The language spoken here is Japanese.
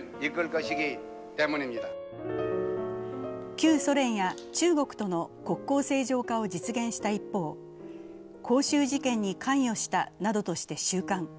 旧ソ連や中国との国交正常化を実現した一方光州事件に関与したなどとして収監。